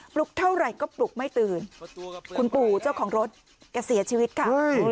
ลุกเท่าไหร่ก็ปลุกไม่ตื่นคุณปู่เจ้าของรถแกเสียชีวิตค่ะ